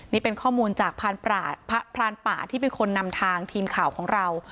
นี่เป็นข้อมูลจากพรานป่าที่เป็นคนนำทางทีมข่าวของเรา